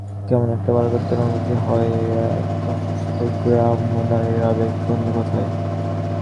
কেমন একটা বালকত্বের অনুভূতি হয় এক অসুস্থা গ্রাম্য নারীর আবেগপূর্ণ কথায়।